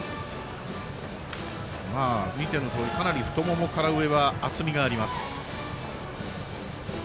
見てのとおりかなり太ももから上は厚みがあります。